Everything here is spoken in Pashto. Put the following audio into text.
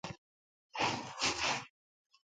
بچوانالنډ د انګرېزانو لپاره لومړیتوب نه و.